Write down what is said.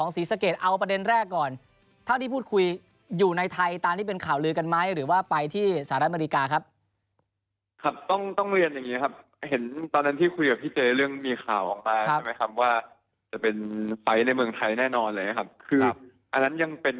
สวัสดีครับพี่เจ๊ครับสวัสดีครับคุณนามครับ